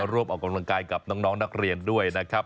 ร่วมออกกำลังกายกับน้องนักเรียนด้วยนะครับ